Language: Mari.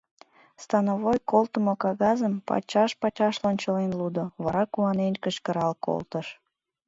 Становой колтымо кагазым пачаш-пачаш лончылен лудо, вара куанен кычкырал колтыш: